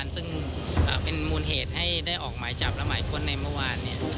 ลูกหลายคนในเมื่อวานเนี่ย